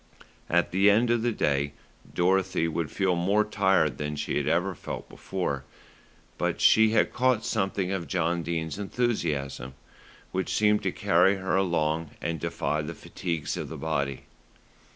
At the end of the day Dorothy would feel more tired than she had ever felt before; but she had caught something of John Dene's enthusiasm, which seemed to carry her along and defy the fatigues of the body.